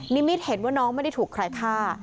นิมิตเห็นว่าน้องไม่ได้ถูกใครฆ่า